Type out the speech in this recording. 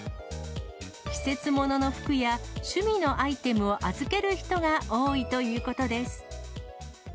季節ものの服や趣味のアイテムを預ける人が多いということです。